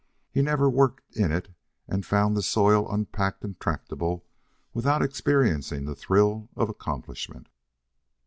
He never worked in it and found the soil unpacked and tractable without experiencing the thrill of accomplishment.